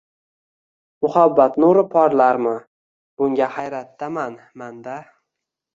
Muhabbat nuri porlarmi, bunga hayratdaman man-da